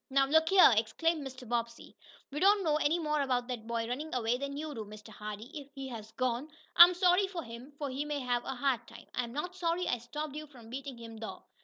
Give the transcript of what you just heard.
"Now look here!" exclaimed Mr. Bobbsey. "We don't know any more about that boy running away than you do, Mr. Hardee. If he has gone, I'm sorry for him, for he may have a hard time. I'm not sorry I stopped you from beating him, though.